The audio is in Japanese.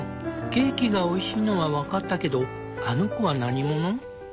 ケーキがおいしいのは分かったけどあの子は何者？